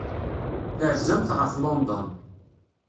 Terzamt ɣef London.